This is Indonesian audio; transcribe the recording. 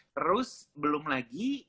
terus belum lagi